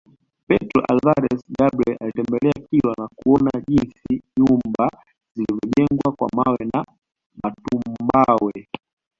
Pedro Alvares Cabral alitembelea Kilwa na kuona jinsi nyumba zilivyojengwa kwa mawe na matumbawe